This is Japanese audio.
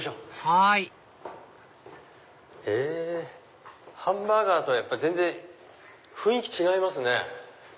はいハンバーガーとはやっぱ全然雰囲気違いますね。